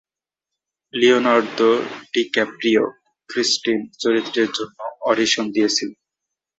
Leonardo DiCaprio Christine চরিত্রের জন্য audition দিয়েছিলেন।